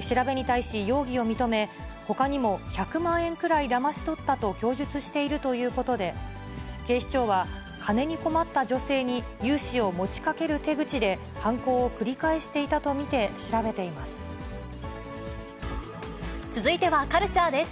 調べに対し、容疑を認め、ほかにも１００万円くらいだまし取ったと供述しているということで、警視庁は、金に困った女性に融資を持ちかける手口で、犯行を繰り返していた続いてはカルチャーです。